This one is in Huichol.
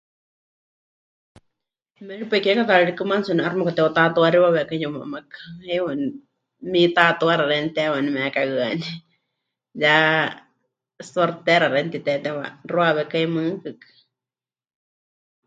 Méripai kiekátaari rikɨ maatsi waníu 'aixɨ mepɨkateutatuaxiwawekai yumamakɨ, heiwa mitatuaxa xeeníu teewa waníu mekahɨaní, ya sortera xeeníu mɨtitetewa mɨxuawékai mɨɨkɨkɨ.